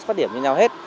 phát điểm như nhau hết